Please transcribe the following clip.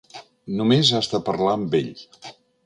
Només has de parlar amb ell.